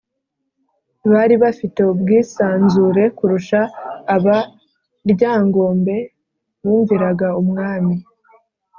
bari bafite ubwisanzure kurusha aba ryangombe bumviraga umwami,